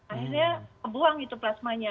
akhirnya kebuang itu plasmanya